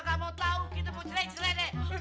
gue gak mau tau kita mau cerai cerai deh